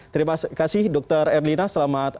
terima kasih dokter erlina selamat